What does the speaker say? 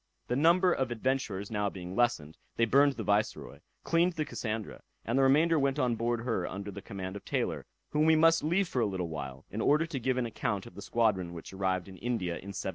The number of adventurers being now lessened, they burned the Viceroy, cleaned the Cassandra, and the remainder went on board her under the command of Taylor, whom we must leave for a little while, in order to give an account of the squadron which arrived in India in 1721.